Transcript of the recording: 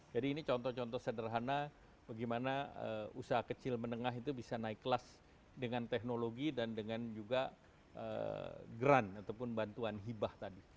jadi ini contoh contoh sederhana bagaimana usaha kecil menengah itu bisa naik kelas dengan teknologi dan dengan juga grant ataupun bantuan hibah tadi